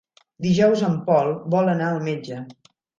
Dijous en Pol vol anar al metge.